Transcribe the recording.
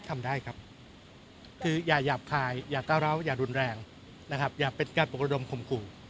ทำได้ครับคืออย่าหยาบคายอย่าก้าวร้าวอย่ารุนแรงนะครับอย่าเป็นการปลุกระดมข่มขู่